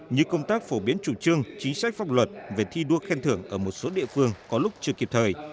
như công tác phổ biến chủ trương chính sách pháp luật về thi đua khen thưởng ở một số địa phương có lúc chưa kịp thời